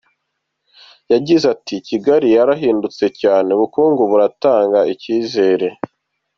Yagize ati “Kigali yarahindutse cyane, ubukungu buratanga icyizere.